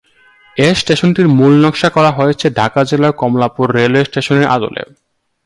এ স্টেশনটির মূল নকশা করা হয়েছে ঢাকা জেলার কমলাপুর রেলওয়ে স্টেশনের আদলে।